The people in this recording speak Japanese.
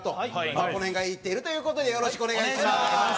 まあこの辺がいてるという事でよろしくお願いします！